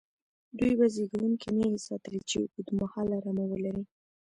دوی به زېږوونکې مېږې ساتلې، چې اوږد مهاله رمه ولري.